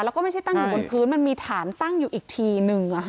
แล้วก็ไม่ใช่ตั้งอยู่บนพื้นมันมีฐานตั้งอยู่อีกทีนึง